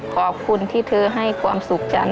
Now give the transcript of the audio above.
ขอบคุณที่เธอให้ความสุขฉัน